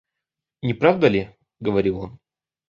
Не правда ли?— говорил он.